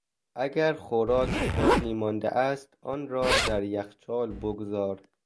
اگر خوراک باقی مانده است آن را در یخچال بگذار.